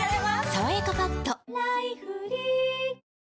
「さわやかパッド」菊池）